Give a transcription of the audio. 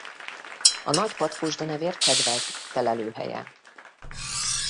A nagy patkósdenevér kedvelt telelőhelye.